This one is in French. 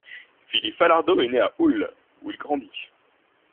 Philippe Falardeau est né à Hull, où il grandit.